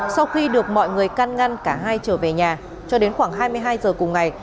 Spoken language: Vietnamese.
sau khi được mọi người căn ngăn cả hai trở về nhà cho đến khoảng hai mươi hai giờ cùng ngày